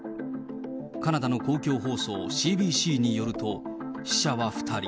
カナダの公共放送、ＣＢＣによると、死者は２人。